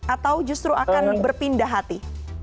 atau justru akan berpindah hati